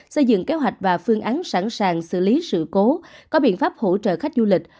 xây dựng kế hoạch và phương án sẵn sàng xử lý sự cố có biện pháp hỗ trợ khách du lịch